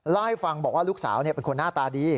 ไล่ฟังบอกว่าลูกสาวเนี่ยเป็นคนหน้าตาดี